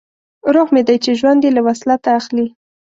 روح مې دی چې ژوند یې له وصلت اخلي